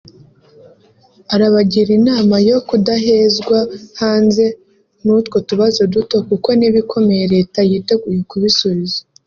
arabagira inama yo kudahezwa hanze n’utwo tubazo duto kuko n’ibikomeye leta yiteguye kubisubiza